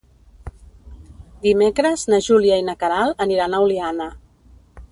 Dimecres na Júlia i na Queralt aniran a Oliana.